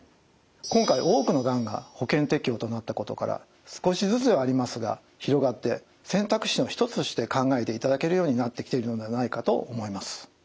今回多くのがんが保険適用となったことから少しずつではありますが広がって選択肢の一つとして考えていただけるようになってきているのではないかと思います。